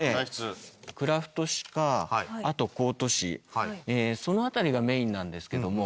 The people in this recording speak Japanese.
クラフト紙かあとコート紙その辺りがメインなんですけども